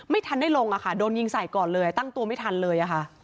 ไม่ทันได้ลงอะค่ะโดนยิงใส่ก่อนเลยตั้งตัวไม่ทันเลยค่ะ